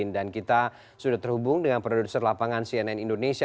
dan kita sudah terhubung dengan produser lapangan cnn indonesia